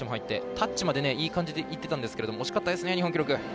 タッチまでいい感じで入ってたんですけど惜しかったですね日本記録。